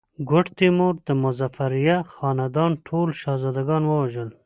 ګوډ تیمور د مظفریه خاندان ټول شهزاده ګان ووژل.